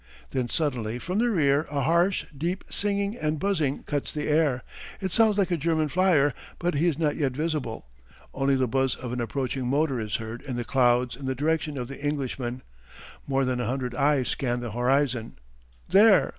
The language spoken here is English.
Then suddenly from the rear a harsh, deep singing and buzzing cuts the air. It sounds like a German flyer. But he is not yet visible. Only the buzz of an approaching motor is heard in the clouds in the direction of the Englishman. More than a hundred eyes scanned the horizon. There!